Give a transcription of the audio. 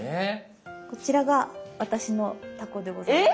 こちらが私のタコでございます。